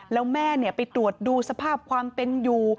แล้วแม่ไปตรวจดูสภาพความเป็นอยู่